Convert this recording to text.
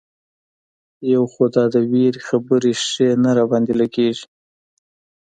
یو خو دا د وېرې خبرې ښې نه را باندې لګېږي.